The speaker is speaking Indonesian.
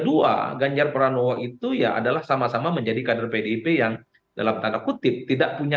dua ganjar pranowo itu ya adalah sama sama menjadi kader pdip yang dalam tanda kutip tidak punya